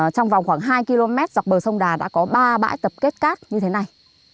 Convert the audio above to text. trong vòng khoảng hai km dọc bờ sông đà đã có ba bãi tập kết cát như thế này